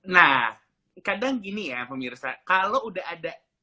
nah kadang gini ya pemirsa kalau udah ada